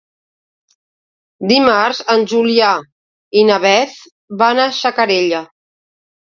Dimarts en Julià i na Beth van a Xacarella.